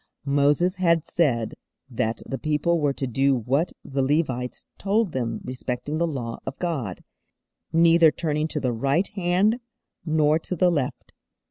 Moses had said that the people were to do what the Levites told them respecting the Law of God, neither turning _'to the right hand, nor to the left.